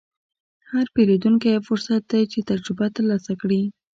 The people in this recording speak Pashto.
هر پیرودونکی یو فرصت دی چې تجربه ترلاسه کړې.